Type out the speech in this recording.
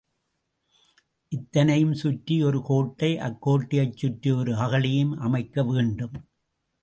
இத்தனையையும் சுற்றி ஒரு கோட்டை அக்கோட்டையைச் சுற்றி ஒரு அகழியும் அமைக்க வேண்டும்.